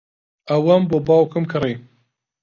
ئەوەم بۆ باوکم کڕی.